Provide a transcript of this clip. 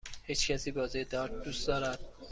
هیچکسی بازی دارت دوست دارد؟